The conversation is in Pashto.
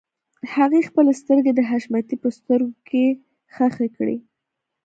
هغې خپلې سترګې د حشمتي په سترګو کې ښخې کړې.